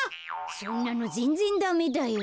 そんなのぜんぜんダメだよ。